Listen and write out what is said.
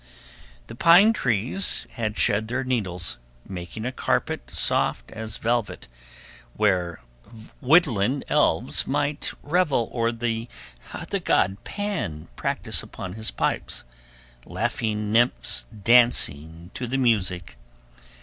The pine trees had shed their needles, making a carpet soft as velvet, where woodland elves might revel or the god Pan practice upon his pipes, laughing nymphs dancing to the music.